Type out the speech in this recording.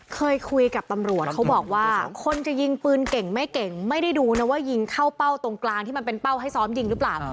เคยคุยกับตำรวจเขาบอกว่าคนจะยิงปืนเก่งไม่เก่งไม่ได้ดูนะว่ายิงเข้าเป้าตรงกลางที่มันเป็นเป้าให้ซ้อมยิงหรือเปล่า